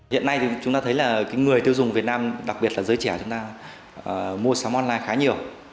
hiện nay thì chúng ta thấy là người tiêu dùng việt nam đặc biệt là giới trẻ chúng ta mua sắm online khá nhiều